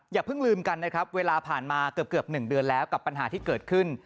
อย่าเพิ่งลืมกันนะครับเวลาผ่านมาเกือบ๑เดือนแล้วกับปัญหาที่เกิดขึ้น